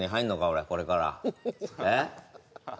俺これからえっ？